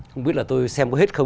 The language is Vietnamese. không biết là tôi xem có hết không